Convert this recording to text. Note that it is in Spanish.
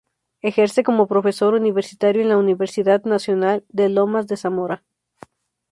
Ejerce como profesor universitario en la Universidad Nacional de Lomas de Zamora.